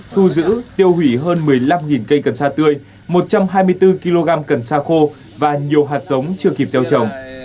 thu giữ tiêu hủy hơn một mươi năm cây cần sa tươi một trăm hai mươi bốn kg cần sa khô và nhiều hạt giống chưa kịp gieo trồng